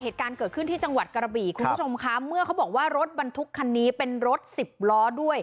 เหตุการณ์เกิดขึ้นที่จังหวัดกระบี่คุณผู้ชมคะเมื่อเขาบอกว่ารถบรรทุกคันนี้เป็นรถสิบล้อด้วย